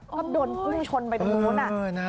ก็โดนพุ่งชนไปตรงนู้น